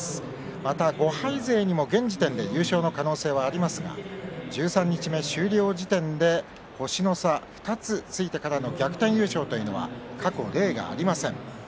また５敗勢も現時点で優勝の可能性はありますが十三日目終了時点で星の差２つついてからの逆転優勝というのは過去、例がありません。